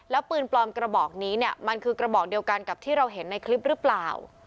แล้วปืนปลอมกระบอกนี้เนี่ยมันคือกระบอกเดียวกันกับที่เราเห็นในคลิปหรือเปล่า